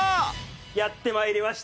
やって参りました。